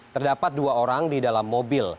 terdapat dua orang di dalam mobil